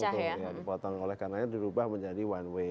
dipotong oleh karena yang dirubah menjadi one way